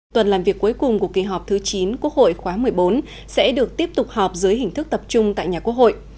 tuần làm việc cuối cùng của kỳ họp thứ chín quốc hội khóa một mươi bốn sẽ được tiếp tục họp dưới hình thức tập trung tại nhà quốc hội